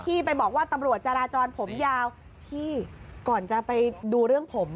พี่ไปบอกว่าตำรวจจราจรผมยาวพี่ก่อนจะไปดูเรื่องผม